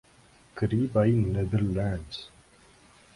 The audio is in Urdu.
کریبیائی نیدرلینڈز